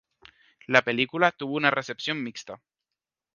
La película tuvo una recepción mixta.